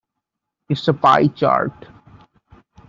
It's a pie chart.